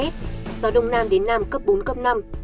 gió đông nam đến nam cấp bốn cấp năm